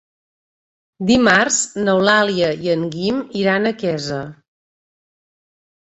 Dimarts n'Eulàlia i en Guim iran a Quesa.